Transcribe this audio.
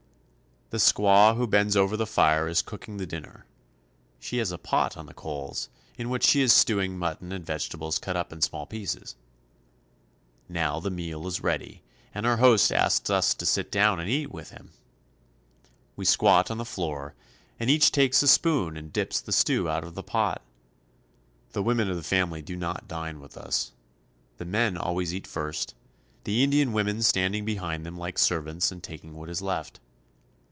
The squaw who bends over the fire is cooking the din ner. She has a pot on the coals, in which she is stewing mutton and vegetables cut up in small pieces. Now the meal is ready, and our host asks us to sit down and eat with him. We squat on the floor, and each takes a spoon and dips the stew out of the pot. The women of the family do not dine with us. The men always eat first, the Indian women standing behind them like servants and taking what is left.